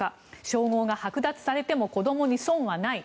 称号が剥奪されても子供に損はない。